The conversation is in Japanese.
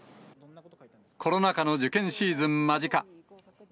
コロナ禍の受験シーズン間近。